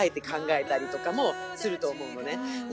考えたりとかもすると思うのね。